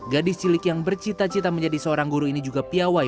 gadis cilik yang bercita cita menjadi seorang guru ini juga piawai